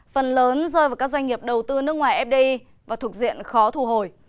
phần lớn rơi vào các doanh nghiệp đầu tư nước ngoài fdi và thuộc diện khó thu hồi